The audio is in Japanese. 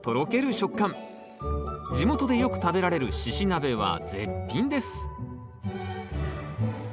地元でよく食べられる「しし鍋」は絶品ですえ？